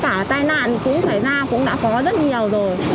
thậm chí là cả tai nạn cũng xảy ra cũng đã có rất nhiều rồi